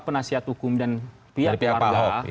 penasihat hukum dan pihak keluarga